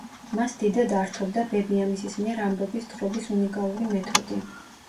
მას დიდად ართობდა ბებიამისის მიერ ამბების თხრობის უნიკალური მეთოდი.